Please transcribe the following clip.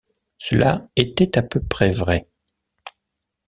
Cela était à peu près vrai.